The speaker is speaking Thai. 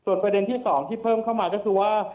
ประเด็นที่๒ที่เพิ่มเข้ามาก็คือว่า